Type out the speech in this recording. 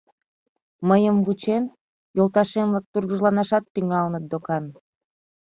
Мыйым вучен, йолташем-влак тургыжланашат тӱҥалыныт докан...